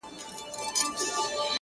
زما د رسوايۍ كيسه.!